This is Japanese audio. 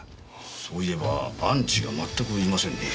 そういえばアンチがまったくいませんねえ。